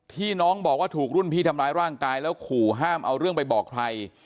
ที่น้องบอกว่าถูกรุ่นพี่ทำร้ายร่างกายแล้วขู่ห้ามเอาเรื่องไปบอกใคร